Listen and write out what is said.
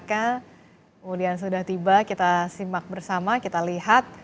kemudian sudah tiba kita simak bersama kita lihat